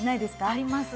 ありますね。